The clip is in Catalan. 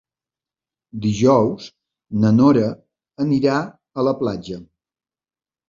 Dijous na Nora anirà a la platja.